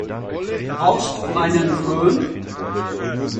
Brauchst du einen Fön?